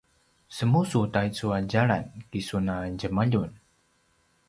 semusu taicu a djalan kisun a djemaljun